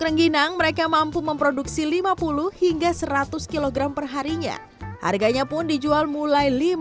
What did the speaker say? rengginang mereka mampu memproduksi lima puluh hingga seratus kg perharinya harganya pun dijual mulai